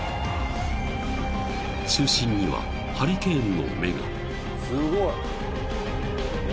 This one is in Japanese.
［中心にはハリケーンの目が］